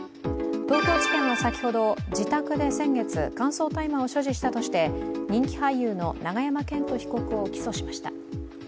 東京地検は先ほど、自宅で先月、乾燥大麻を所持したとして人気俳優の永山絢斗被告を起訴しました。